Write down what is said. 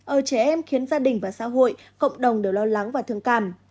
ở trẻ em khiến gia đình và xã hội cộng đồng đều lo lắng và thương cảm